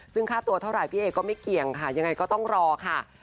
ซึ่งค่าตัวเท่าไหร่พี่เอก็ไม่เกี่ยงค่ะยังไงก็ต้องรอค่ะ